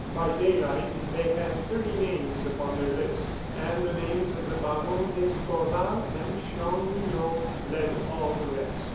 By daylight, they had thirty names upon their list: and the names of the Baron d'Escorval and Chanlouineau led all the rest.